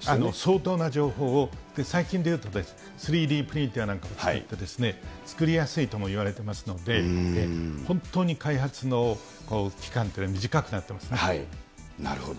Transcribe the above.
相当な情報を、最近でいうと、３Ｄプリンターなんかもですね、作りやすいともいわれてますので、本当に開発の期間というのは短くなるほど。